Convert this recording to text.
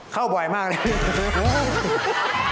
เข้าบ่อยมากเลย